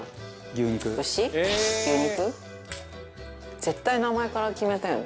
絶対名前から決めたよね。